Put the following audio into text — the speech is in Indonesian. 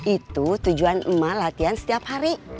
itu tujuan emak latihan setiap hari